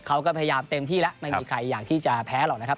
เขาก็พยายามเต็มที่แล้วไม่มีใครอยากที่จะแพ้หรอกนะครับ